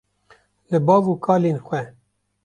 li bav û kalên xwe